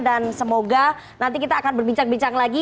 dan semoga nanti kita akan berbincang bincang lagi